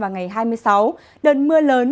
ngày hai mươi sáu đợt mưa lớn